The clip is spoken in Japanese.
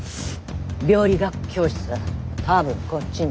病理学教室は多分こっちね。